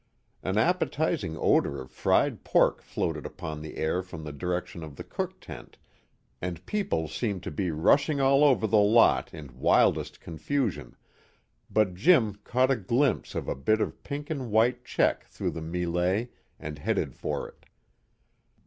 An appetizing odor of fried pork floated upon the air from the direction of the cook tent, and people seemed to be rushing all over the lot in wildest confusion, but Jim caught a glimpse of a bit of pink and white check through the mêlée, and headed for it.